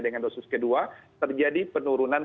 dengan dosis kedua terjadi penurunan